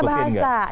harus cinta bahasa